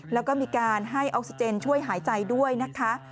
แล้วก็มีการให้ออกซิเจนช่วยหายใจด้วยนะคะ